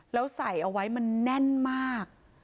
แล้วใส่เอาไว้มันแน่นมาก